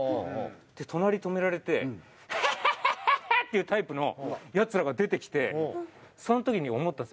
で隣止められてヘヘヘヘヘ！っていうタイプのヤツらが出てきてその時に思ったんです。